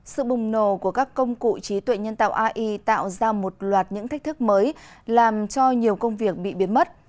sự bùng nổ của các công cụ trí tuệ nhân tạo ai tạo ra một loạt những thách thức mới làm cho nhiều công việc bị biến mất